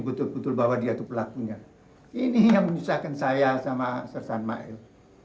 betul betul bahwa dia itu pelakunya ini yang menyusahkan saya sama sersan mail